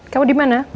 kamu di mana